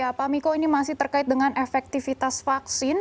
ya pak miko ini masih terkait dengan efektivitas vaksin